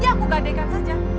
ya aku gadekan saja